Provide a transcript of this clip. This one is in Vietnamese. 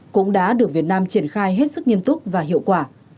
cũng đã được việt nam triển khai hết sức nghiêm túc và hiệu quả